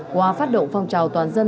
qua phát động phong trào toàn dân